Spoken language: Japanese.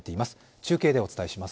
中継でお伝えします。